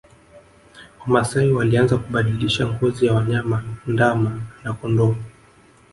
Wamasai walianza kubadilisha ngozi ya wanyama ndama na kondoo